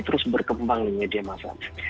terus berkembang di media masa